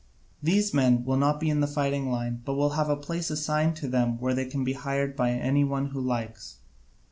These men will not be in the fighting line, but they will have a place assigned to them where they can be hired by any one who likes.